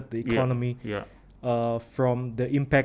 saya rasa ekonomi yang relatif menyelamatkan